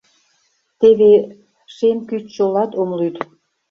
Теве шем кӱч чолат ом лӱд.